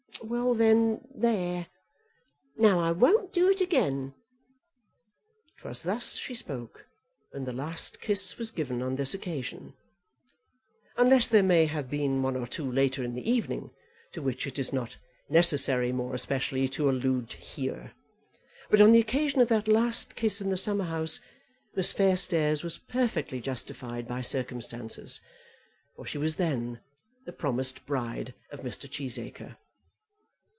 Well, then, there. Now I won't do it again." 'Twas thus she spoke when the last kiss was given on this occasion; unless there may have been one or two later in the evening, to which it is not necessary more especially to allude here. But on the occasion of that last kiss in the summer house Miss Fairstairs was perfectly justified by circumstances, for she was then the promised bride of Mr. Cheesacre.